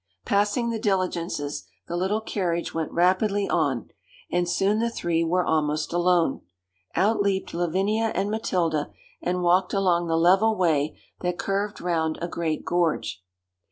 Passing the diligences the little carriage went rapidly on, and soon the three were almost alone. Out leaped Lavinia and Matilda, and walked along the level way that curved round a great gorge.